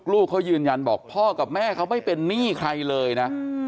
ลูกเขายืนยันบอกพ่อกับแม่เขาไม่เป็นหนี้ใครเลยนะ